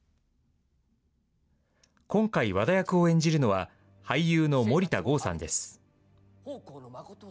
今回、和田役を演じるのは、俳優の森田剛さんです。